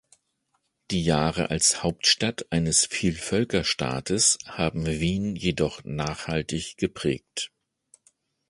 Die Jahre als Hauptstadt eines Vielvölkerstaates haben Wien jedoch nachhaltig geprägt.